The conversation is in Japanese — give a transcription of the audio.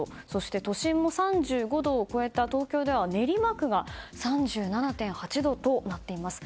都心も３５度を超えて東京では、練馬区が３７．８度となっています。